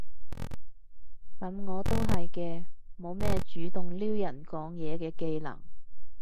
噉我都係嘅，冇乜主動撩人講嘢嘅技能